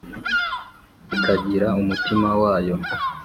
ikagira umutima wayo,